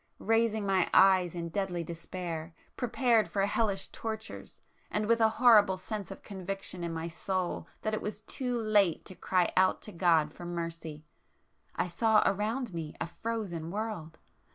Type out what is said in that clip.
Raising my eyes in deadly despair,—prepared for hellish tortures, and with a horrible sense of conviction in my soul that it was too late to cry out to God for mercy,—I saw around me a frozen world!